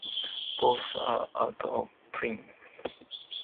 Both are out-of-print.